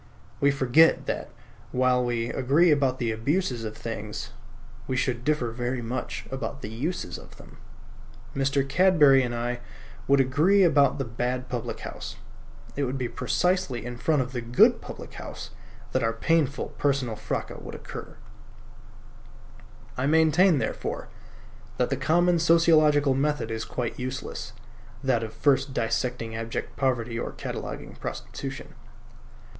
We forget that, while we agree about the abuses of things, we should differ very much about the uses of them. Mr. Cadbury and I would agree about the bad public house. It would be precisely in front of the good public house that our painful personal fracas would occur. I maintain, therefore, that the common sociological method is quite useless: that of first dissecting abject poverty or cataloguing prostitution.